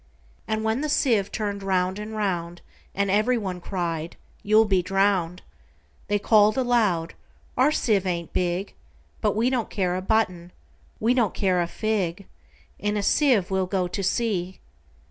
And when the sieve turn'd round and round, And every one cried, "You 'll be drown'd!"They call'd aloud, "Our sieve ain't big:But we don't care a button; we don't care a fig:In a sieve we 'll go to sea!"